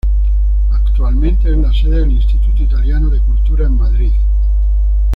Actualmente es la sede del Instituto Italiano de Cultura en Madrid.